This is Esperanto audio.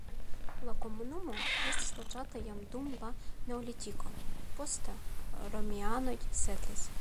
La komunumo estis loĝata jam dum la neolitiko, poste romianoj setlis.